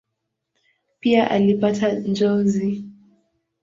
Pia alipata njozi.